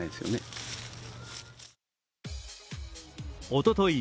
おととい